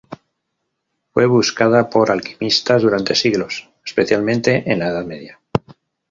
Fue buscada por los alquimistas durante siglos, especialmente en la Edad Media.